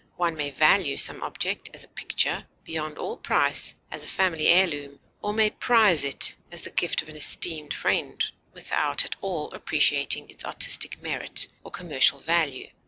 One may value some object, as a picture, beyond all price, as a family heirloom, or may prize it as the gift of an esteemed friend, without at all appreciating its artistic merit or commercial value.